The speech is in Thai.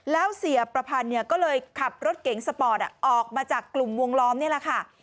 แล้วเสียประพันธ์ก็เลยขับรถเก๋งสปอร์ตออกมาจากกลุ่มวงล้อมนี่แหละค่ะ